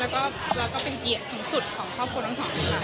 แล้วก็เป็นเกียรติสูงสุดของครอบครัวทั้งสองของเรา